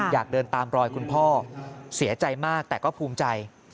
อยากเดินตามรอยคุณพ่อเสียใจมากแต่ก็ภูมิใจ